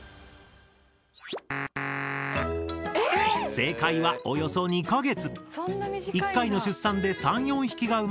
正解は「およそ２か月」。